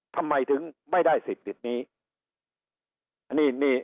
ทำไมไม่ได้สิทธิ์ดินี้